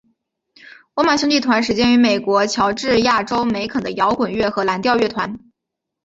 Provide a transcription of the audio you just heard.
欧曼兄弟乐团始建于美国乔治亚州梅肯的摇滚乐和蓝调乐团。